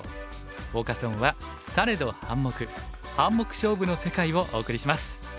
フォーカス・オンは「されど『半目』『半目』勝負の世界」をお送りします。